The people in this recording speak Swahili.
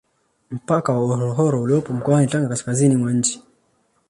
Mpaka wa Horohoro uliopo mkoani Tanga kaskazini mwa nchi